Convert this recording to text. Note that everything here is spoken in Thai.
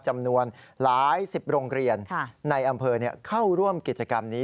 จำนวนหลายสิบโรงเรียนในอำเภอเข้าร่วมกิจกรรมนี้